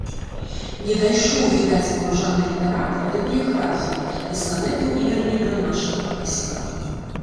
Не дайшоў, відаць, паважаны літаратар да біяграфіі, да санетаў і верлібра нашага класіка.